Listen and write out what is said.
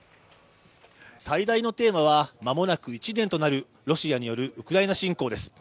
最大のテーマは間もなく１年となるロシアによるウクライナ侵攻です。